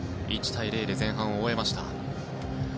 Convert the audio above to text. １対０で前半を終えました。